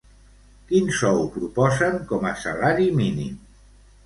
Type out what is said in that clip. Quin sou proposen com a salari mínim?